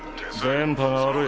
電波が悪い。